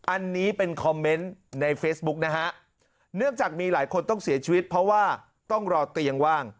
อันนี้เป็นคอมเมนต์ในเฟซบุ๊กนะฮะเนื่องจากมีหลายคนต้องเสียชีวิตเพราะว่าต้องรอเตียงว่าง